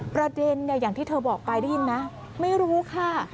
ประเด็นอย่างที่เธอบอกไปได้ยินไหมไม่รู้ค่ะ